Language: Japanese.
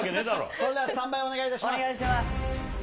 それではスタンバイをお願いお願いします。